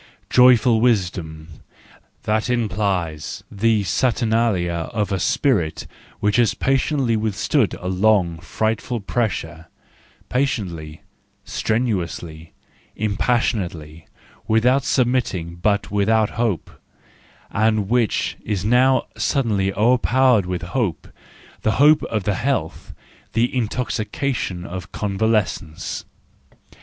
"Joyful Wisdom": that implies the Saturnalia of a spirit which has patiently withstood a long, frightful pressure— patiently, strenuously, impassionately, without submitting, but without hope—and which is now suddenly o'erpowered with hope, the hope of health, the intoxication of convalescence.